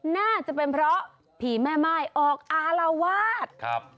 น่าจะเป็นเพราะผีแม่ม่ายออกอารวาสครับ